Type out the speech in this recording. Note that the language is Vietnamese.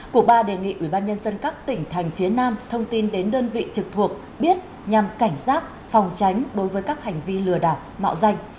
cuba đề nghị ubnd các tỉnh thành phía nam thông tin đến đơn vị trực thuộc biết nhằm cảnh giác phòng tránh đối với các hành vi lừa đảo mạo danh